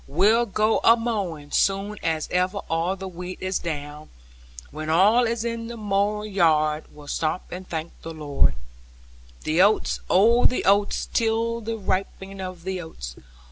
We'll go amowing, soon as ever all the wheat is down; When all is in the mow yard, we'll stop, and thank the Lord. 4 The oats, oh the oats, 'tis the ripening of the oats!